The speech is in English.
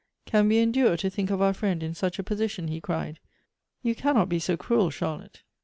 " Can we endure to think of our friend in such a posi tion ?" he cried ;" you cannot be so cruel, Charlotte."